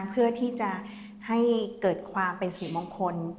เพื่อที่จะให้เกิดความเป็นสิริมงคล